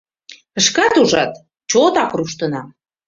Шкат ужат — чотак руштынам.